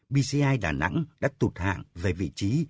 bci đà nẵng đã tụt hạng về vị trí